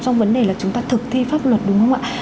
trong vấn đề là chúng ta thực thi pháp luật đúng không ạ